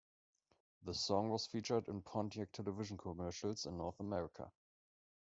The song was featured in Pontiac television commercials in North America.